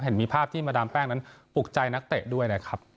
เห็นมีภาพที่มาดามแป้งนั้นปลูกใจนักเตะด้วยนะครับ